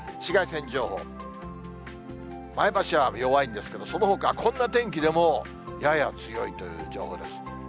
前橋は弱いんですけども、そのほか、こんな天気でもやや強いという情報です。